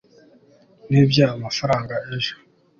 nibye amafaranga ejo